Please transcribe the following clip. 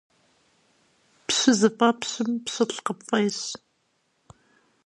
Пщы зыфӀэпщым пщылӀ къыпфӀещ.